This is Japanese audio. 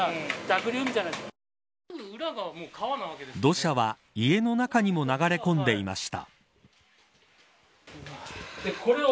土砂は家の中にも流れ込んでいました。